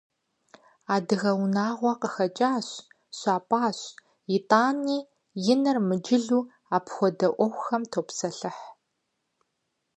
Адыгэ унагъуэ къыхэкӀащ, щапӀащ, итӀани, и нэр мыджылу апхуэдэ Ӏуэхухэм топсэлъыхь.